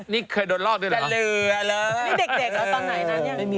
อ๋อนี่เคยโดนรอกด้วยเหรอ